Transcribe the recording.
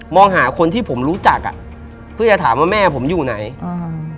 มองหาคนที่ผมรู้จักอ่ะก็จะถามว่าแม่ผมอยู่ไหนอืม